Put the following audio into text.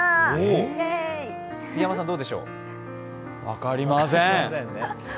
分かりません。